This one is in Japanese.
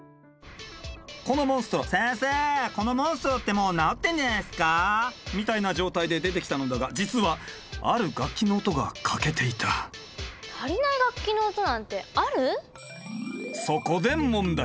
このモンストロ「先生このモンストロってもう治ってんじゃないっすかあ？」みたいな状態で出てきたのだが実はある楽器の音が欠けていた足りない楽器の音なんてある？